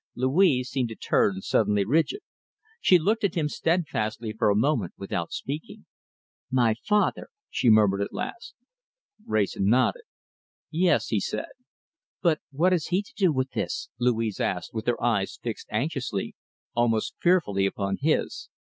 Louise seemed to turn suddenly rigid. She looked at him steadfastly for a moment without speaking. "My father," she murmured at last. Wrayson nodded. "Yes!" he said. "But what has he to do with this?" Louise asked, with her eyes fixed anxiously, almost fearfully, upon his.